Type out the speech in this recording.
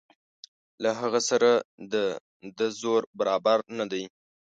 له هغه سره د ده زور برابر نه دی.